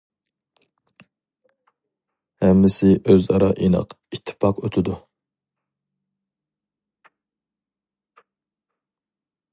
ھەممىسى ئۆزئارا ئىناق- ئىتتىپاق ئۆتىدۇ.